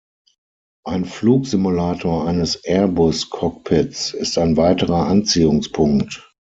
Ein Flugsimulator eines Airbus-Cockpits ist ein weiterer Anziehungspunkt.